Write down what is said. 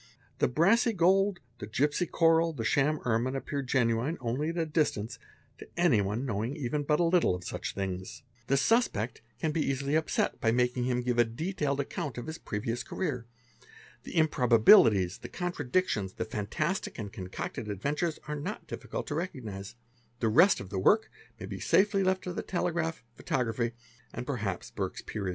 The Db assy gold, the gipsy coral, the sham ermine appear genuine only at a | distance to any one knowing even but a little of such things; the suspect | can be easily upset by making him give a detailed account of his previous * areer; the improbabilities, the contradictions, the fantastic and con cocted adventures, are not difficult to recognize; the rest of the work Vay be Beery left to the telegraph, photography, and perhaps " Burke's eerage."